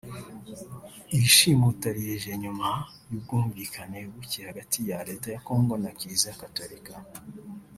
Iri shimuta rije nyuma y’ubwumvikane buke hagati ya Leta ya Congo na Kiliziya Gatolika